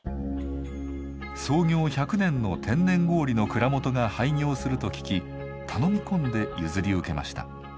創業１００年の天然氷の蔵元が廃業すると聞き頼み込んで譲り受けました。